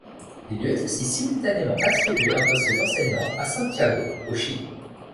Il lui est aussi simultanément attribué un poste d'enseignant à Santiago au Chili.